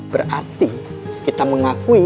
berarti kita mengakui